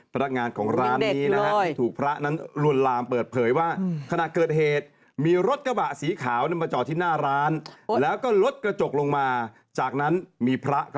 พนักงานของร้านนี้